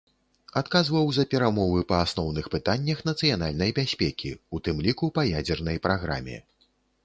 Адказваў за перамовы па асноўных пытаннях нацыянальнай бяспекі, у тым ліку па ядзернай праграме.